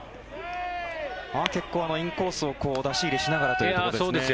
インコースを出し入れしながらというところですね。